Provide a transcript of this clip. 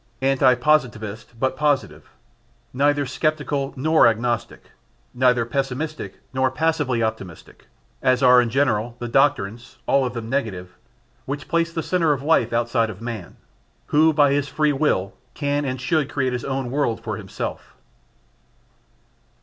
Anti positivist, but positive: neither sceptical nor agnostic, neither pessimistic nor passively optimistic, as are in general the doctrines (all of them negative) which place the centre of life outside of man, who by his free will can and should create his own world for himself.